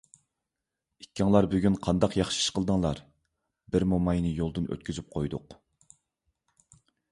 ئىككىڭلار بۈگۈن قانداق ياخشى ئىش قىلدىڭلار؟ بىر موماينى يولدىن ئۆتكۈزۈپ قويدۇق.